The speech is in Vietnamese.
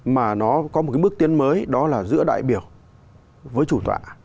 mà nó có một cái bước tiến mới đó là giữa đại biểu với chủ tọa